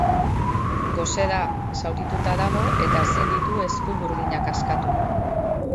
Gose da, zaurituta dago, eta ezin ditu eskuburdinak askatu.